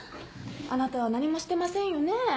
あなたは何もしてませんよね？